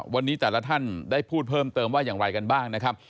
วันนี้แต่ละท่านได้พูดเพิ่มเติมว่าอย่างไรกันบ้างนะครับ